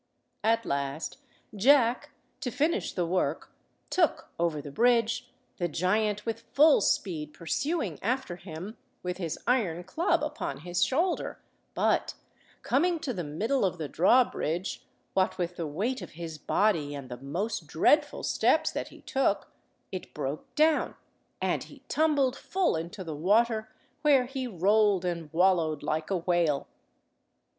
At last Jack, to finish the work, took over the bridge, the giant with full speed pursuing after him, with his iron club upon his shoulder, but, coming to the middle of the drawbridge, what with the weight of his body and the most dreadful steps that he took, it broke down, and he tumbled full into the water, where he rolled and wallowed like a whale.